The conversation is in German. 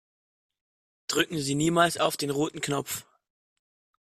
Drücken Sie niemals auf den roten Knopf!